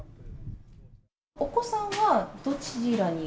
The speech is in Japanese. お子さんはどちらに？